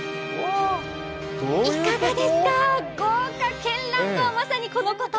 いかがですか豪華けんらんとはまさにこのこと。